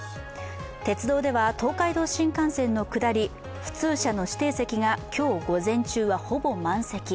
鉄道では東海道新幹線の下り、普通車の指定席が今日、午前中はほぼ満席。